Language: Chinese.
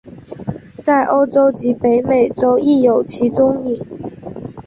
在欧洲及北美洲亦有其踪影。